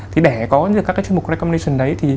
thì để có được các cái chuyên mục clancomlation đấy